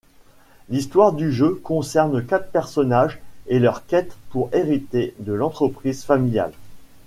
L'histoire du jeu concerne quatre personnages et leur quête pour hériter de l'entreprise familiale.